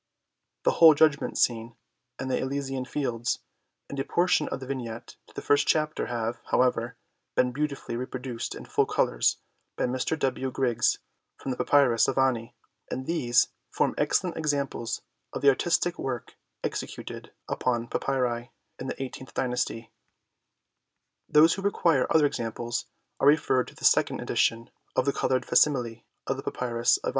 The whole Judgment Scene, and the Elysian Fields, and a portion of the Vignette to the first Chapter have, however, been beautifully reproduced in full colours by Mr. W. Griggs from the Papyrus of Ani, and these form excellent examples of the artistic work executed upon papyri in the eighteenth dynasty ; those who require other examples are referred to the second edition of the coloured facsimile of the Papyrus of XIV PREFACE.